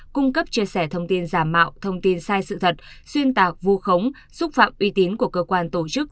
cung cấp chia sẻ thông tin giả mạo thông tin sai sự thật xuyên tạc vu khống xúc phạm uy tín của cơ quan tổ chức